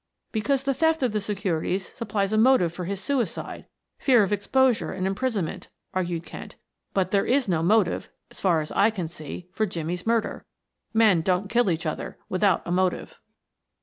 "Because the theft of the securities supplies a motive for his suicide fear of exposure and imprisonment," argued Kent. "But there is no motive, so far as I can see, for Jimmie's murder. Men don't kill each other without a motive."